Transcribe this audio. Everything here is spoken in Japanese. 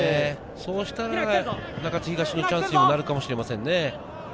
そしたら中津東のチャンスにもなるかもしれませんね。